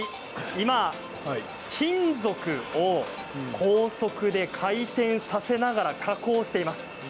今、金属を高速で回転させながら加工しています。